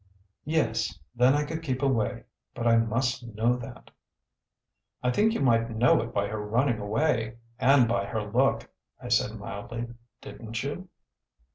"Yes then I could keep away. But I must know that." "I think you might know it by her running away and by her look," I said mildly. "Didn't you?"